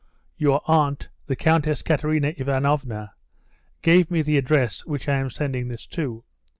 Your aunt, the Countess Katerina Ivanovna, gave me the address which I am sending this to.